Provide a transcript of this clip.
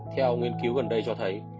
theo nghiên cứu gần đây cho thấy